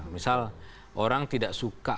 misal orang tidak suka